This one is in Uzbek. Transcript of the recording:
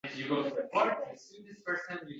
Qani bunday fazilatlar, qizim?